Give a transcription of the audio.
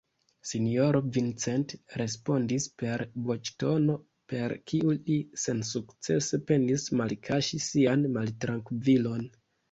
Sinjoro Vincent respondis per voĉtono, per kiu li sensukcese penis malkaŝi sian maltrankvilon: